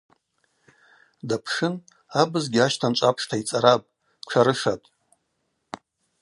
Дапшын – абызгьи ащтанчӏв апшта йцӏарапӏ, тшарышатӏ.